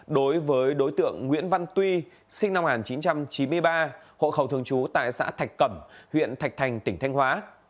đối với đối tượng nguyễn văn tuy sinh năm một nghìn chín trăm chín mươi ba hộ khẩu thường trú tại xã thạch cẩm huyện thạch thành tỉnh thanh hóa